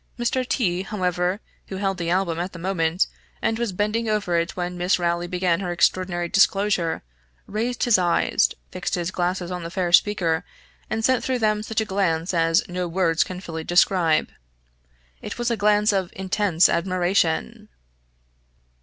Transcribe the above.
Mr. T , however, who held the album at the moment, and was bending over it when Miss Rowley began her extraordinary disclosure, raised his eyes, fixed his glasses on the fair speaker, and sent through them such a glance as no words can fully describe. It was a glance of intense admiration.